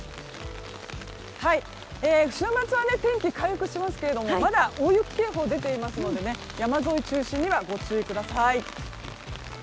週末は天気が回復しますけれどもまだ大雪警報が出ていますので山沿いを中心にはご注意ください。